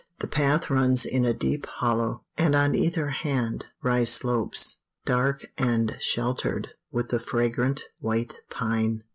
The path runs in a deep hollow, and on either hand rise slopes dark and sheltered with the fragrant white pine.